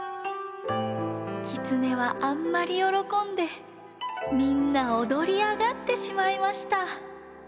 きつねはあんまりよろこんでみんなおどりあがってしまいました。